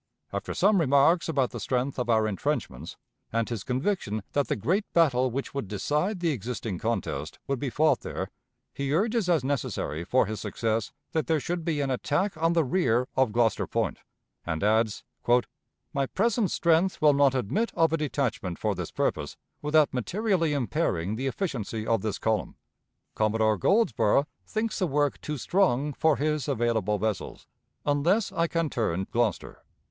After some remarks about the strength of our intrenchments, and his conviction that the great battle which would decide the existing contest would be fought there, he urges as necessary for his success that there should be an attack on the rear of Gloucester Point, and adds: "My present strength will not admit of a detachment for this purpose without materially impairing the efficiency of this column. Commodore Goldsborough thinks the work too strong for his available vessels, unless I can turn Gloucester."